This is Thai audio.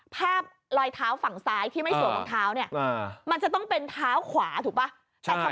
ภาพรอยเท้าฝั่งซ้ายที่ไม่สวมรองเท้าเนี่ยมันจะต้องเป็นเท้าขวาถูกป่ะ